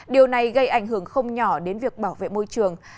điều này gây ảnh hưởng không nhỏ đến việc bảo vệ môi trường